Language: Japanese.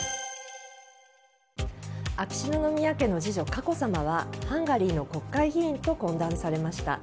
秋篠宮家の次女・佳子さまはハンガリーの国会議員と懇談されました。